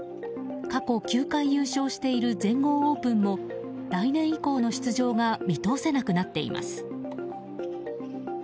過去９回優勝している全豪オープンも来年以降の出場が見通せなくなっています。